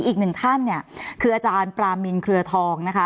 อีกหนึ่งท่านคืออาจารย์ปรามินเคลือทอง